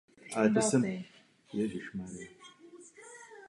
Další ztráty však vznikají i na jednotlivých částech soustrojí větrné elektrárny.